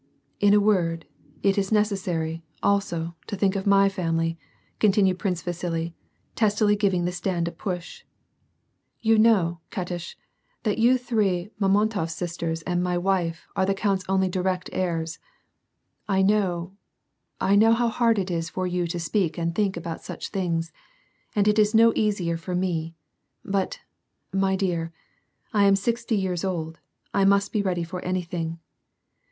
" In a word, it is necessary, also, to think of my family," continued Prince Vasili, testily giving the stand a push. " You know, Katish, that you three Mamontof sisters and my wife are the count's only direct heirs. I know, I know how hard it is for you to speak and think about such things. And it is no easier for me ; but, my dear, I am sixty yeai'S old, I must be reaily for anything.